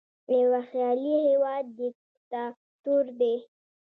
یوه خیالي هیواد دیکتاتور دی.